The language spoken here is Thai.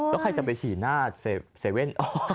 แล้วใครจะไปฉี่หน้าเว่น